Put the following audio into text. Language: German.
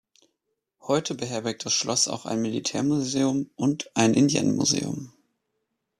Heute beherbergt das Schloss auch ein Militärmuseum und ein Indienne-Museum.